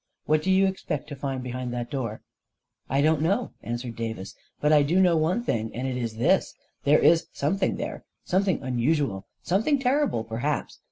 What do you ex pect to find behind that door? "" I don't know," answered Davis; " but I do know one thing, and it is this : there is something there — something unusual — something terrible, perhaps.